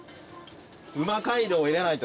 「うま街道！」入れないと。